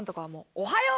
「おはよう！」